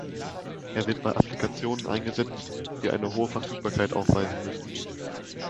Er wird bei Applikationen eingesetzt, die eine hohe Verfügbarkeit aufweisen müssen.